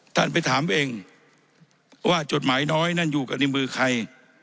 ท่านไปถามเองว่าจดหมายน้อยนั่นอยู่กับในมือใคร